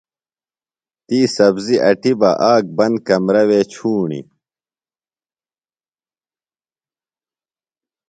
تی سبزیۡ اٹیۡ بہ آک بند کمرہ وے چُھوݨیۡ۔